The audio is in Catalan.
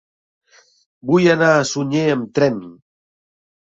Vull anar a Sunyer amb tren.